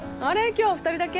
今日は２人だけ？